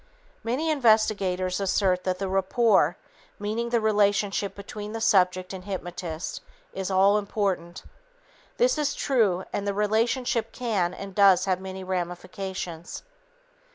Many investigators assert that the "rapport," meaning the relationship between the subject and hypnotist, is all important. This is true and the relationship can and does have many ramifications.